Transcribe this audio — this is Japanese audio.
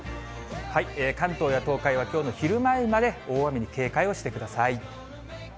関東や東海は、きょうの昼前まで大雨に警戒をしてください。